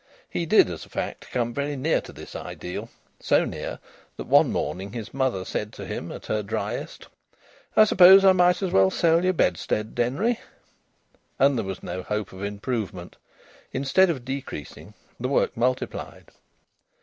He did, as a fact, come very near to this ideal. So near that one morning his mother said to him, at her driest: "I suppose I may as well sell your bedstead. Denry?" And there was no hope of improvement; instead of decreasing, the work multiplied.